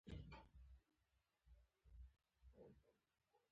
له بد څخه بدتر ته پناه وړل حل نه دی.